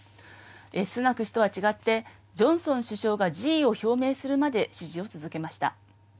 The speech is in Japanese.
スナク氏とは違って、ジョンソン首相が辞意を表明するまで支持を続けました。